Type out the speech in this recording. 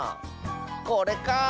これか！